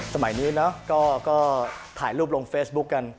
สมัยนี้เนอะก็ถ่ายรูปลงเฟซบุ๊คกัน